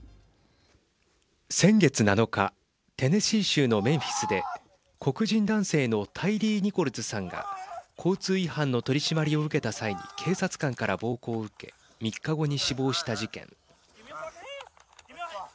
先月７日テネシー州のメンフィスで黒人男性のタイリー・ニコルズさんが交通違反の取締りを受けた際に警察官から暴行を受け３日後に死亡した事件。